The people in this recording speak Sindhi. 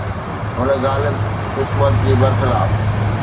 هن غالب حڪمت جي برخلاف